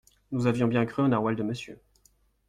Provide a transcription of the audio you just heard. Nous avons bien cru au narwal de monsieur.